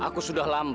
aku sudah lambat